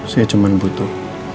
saya cuma butuh